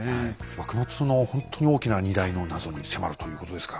幕末のほんとに大きな２大の謎に迫るということですか。